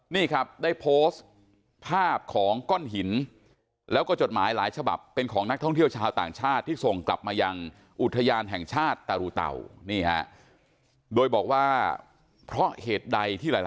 นี่ครับได้โพสต์ภาพของก้อนหินแล้วก็จดหมายหลายฉบับเป็นของนักท่องเที่ยวชาวต่างชาติที่ส่งกลับมายังอุทยานแห่งชาติตะรูเตา